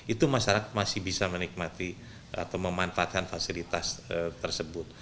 itu masyarakat masih bisa menikmati atau memanfaatkan fasilitas tersebut